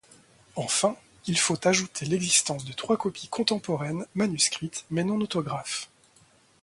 Enfin, il faut ajouter l'existence de trois copies contemporaines, manuscrites mais non autographes.